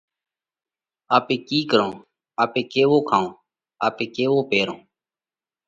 آپي ڪِي ڪرونه؟ آپي ڪِي کائونه؟ آپي ڪيوَو پيرونه؟